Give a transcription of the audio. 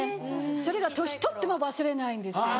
それが年取っても忘れないんですよ。